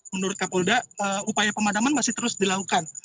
menurut kapolda upaya pemadaman masih terus dilakukan